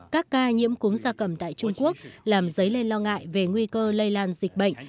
các ca nhiễm cúm gia cầm tại trung quốc làm dấy lên lo ngại về nguy cơ lây lan dịch bệnh